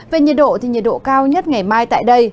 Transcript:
về nhiệt độ thì nhiệt độ cao nhất ngày mai tại đây